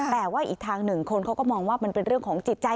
แต่ว่าอีกทางหนึ่งคนเขาก็มองว่ามันเป็นเรื่องของจิตใจ